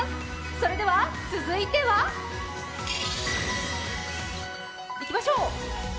それでは続いてはいきましょう！